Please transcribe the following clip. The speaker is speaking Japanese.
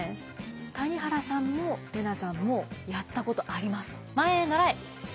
谷原さんも怜奈さんもやったことあります。